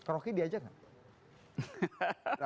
rokidi aja enggak